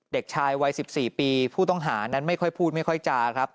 เด็กชายวัย๑๔ปีผู้ต้องหานั้นไม่ค่อยพูดไม่ค่อยจาครับ